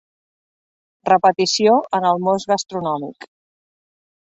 Repetició en el mos gastronòmic.